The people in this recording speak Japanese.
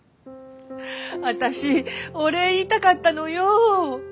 私お礼言いたかったのよ。